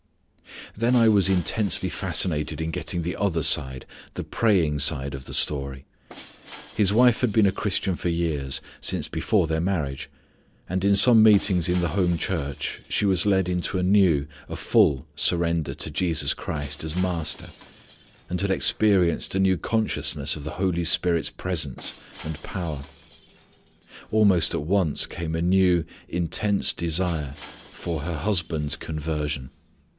Then I was intensely fascinated in getting the other side, the praying side of the story. His wife had been a Christian for years, since before their marriage. But in some meetings in the home church she was led into a new, a full surrender to Jesus Christ as Master, and had experienced a new consciousness of the Holy Spirit's presence and power. Almost at once came a new intense desire for her husband's conversion.